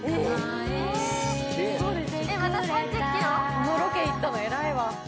このロケ行ったの偉いわ。